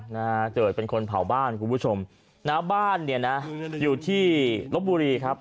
นะฮะเกิดเป็นคนเผาบ้านคุณผู้ชมนะบ้านเนี่ยนะอยู่ที่ลบบุรีครับ